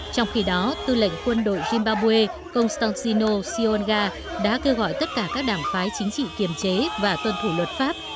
trong khi đó tư lệnh quân đội zimbabwe ông stolzino sionga đã kêu gọi tất cả các đảng phái chính trị kiềm chế và tuân thủ luật pháp